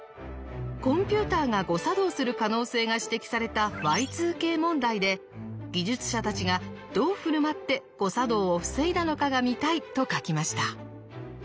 コンピューターが誤作動する可能性が指摘されたＹ２Ｋ問題で技術者たちがどう振る舞って誤作動を防いだのかが見たいと書きました。